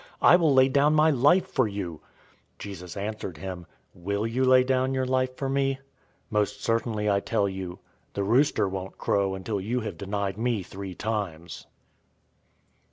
I will lay down my life for you." 013:038 Jesus answered him, "Will you lay down your life for me? Most certainly I tell you, the rooster won't crow until you have denied me three times.